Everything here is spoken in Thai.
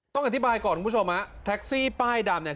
ต้องอธิบายก่อนคุณผู้ชมฮะแท็กซี่ป้ายดำเนี่ย